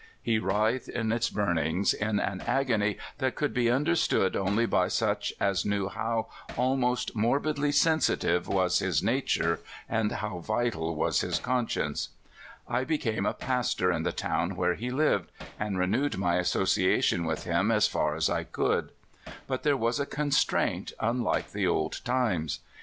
He writhed in its burn ings in an agony that could be understood only by such as knew how almost morbidly sensitive was his nature, and how vital was his conscience. I became a pastor in the town where he lived, and THE REBLOOMING. 67 renewed my association with him as far as I could. But there was a constraint unlike the old times.